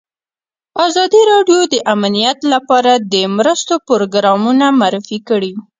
ازادي راډیو د امنیت لپاره د مرستو پروګرامونه معرفي کړي.